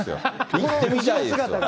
行ってみたいですよ。